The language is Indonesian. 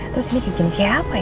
terus ini cijen siapa ya